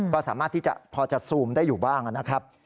ก็สามารถที่จะพอจะซูมได้อยู่บ้างนะครับ